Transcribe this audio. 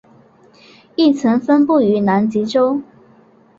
亦曾分布于南极洲。